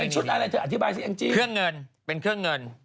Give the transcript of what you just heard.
ชุดอะไรเธออธิบายสิแองจี้เครื่องเงินเป็นเครื่องเงิน